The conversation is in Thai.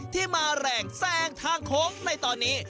ที่มาแรงแซงทางโค้งในตอนนี้